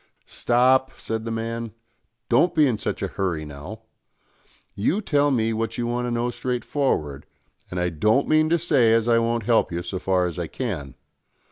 "Stop," said the man, "don't be in such a nurry now. You tell me what you want to know straightforward, and I don't mean to say as I won't help you so far as I can.